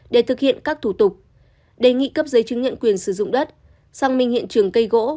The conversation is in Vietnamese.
để thực hiện các thủ tục đề nghị cấp giấy chứng nhận quyền sử dụng đất xác minh hiện trường cây gỗ